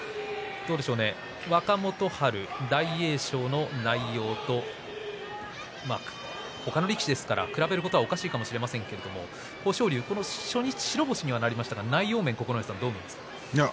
若元春、大栄翔、その内容と他の力士ですから、比べることはおかしいかもしれませんが豊昇龍、初日白星でしたけど内容はどうですか？